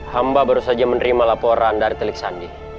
hamba baru saja menerima laporan dari telik sandi